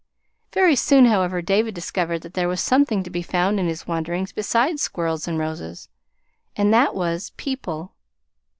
Very soon, however, David discovered that there was something to be found in his wanderings besides squirrels and roses; and that was people.